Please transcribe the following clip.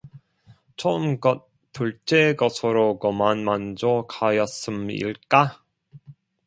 처음 것 둘째 것으로 고만 만족하였음일까?